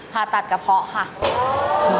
ผ่าตัดกระเพาะค่ะ